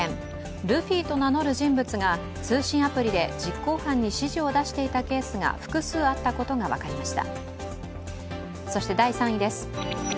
ルフィと名乗る人物が通信アプリで実行犯に指示を出していたケースが複数あったことが分かりました。